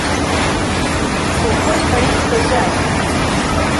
بۆ خۆی خەریک سەودایە